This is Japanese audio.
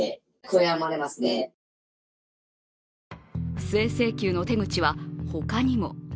不正請求の手口は他にも。